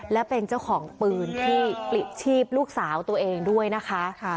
และเป็นเจ้าของปืนที่ปลิดชีพลูกสาวตัวเองด้วยนะคะ